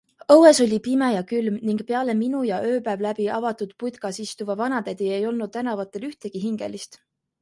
Õues oli pime ja külm ning peale minu ja ööpäev läbi avatud putkas istuva vanatädi ei olnud tänavatel ühtegi hingelist.